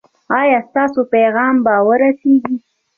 ایا ستاسو پیغام به ورسیږي؟